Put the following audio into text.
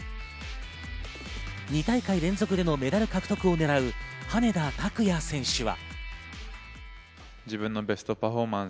２大会連続でのメダル獲得を狙う羽根田卓也選手は。